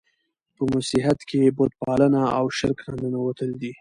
په مسیحیت کښي بت پالنه او شرک راننوتل دي.